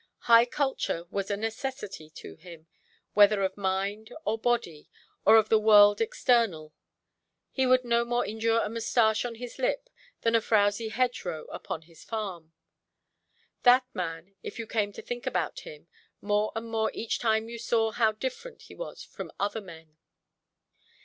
High culture was a necessity to him, whether of mind, or body, or of the world external; he would no more endure a moustache on his lip than a frouzy hedgerow upon his farm. That man, if you came to think about him, more and more each time you saw how different he was from other men.